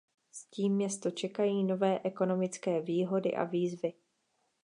S tím město čekají nové ekonomické výhody a výzvy.